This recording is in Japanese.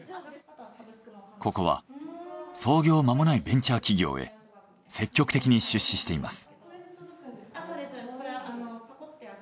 ここは創業まもないベンチャー企業へ積極的に出資しています。